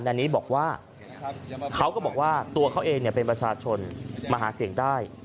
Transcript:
อันนี้บอกว่าเขาก็บอกว่าตัวเขาเองเป็นประชาชนมาหาเสียงได้